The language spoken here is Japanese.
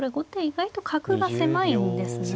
意外と角が狭いんですね。